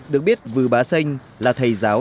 được biết vư bà xanh là thầy giáo